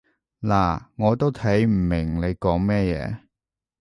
嗱，我都睇唔明你講乜嘢